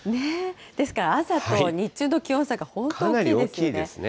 ですから、朝と日中の気温差が本当大きいですよね。